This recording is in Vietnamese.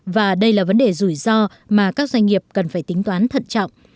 và đây là vấn đề rủi ro mà các doanh nghiệp cần phải tính toán thận trọng